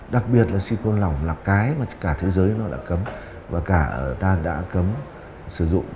đặc biệt là sicon lỏng là cái mà cả thế giới nó đã cấm và cả ta đã cấm sử dụng